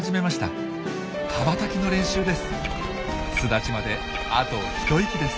羽ばたきの練習です。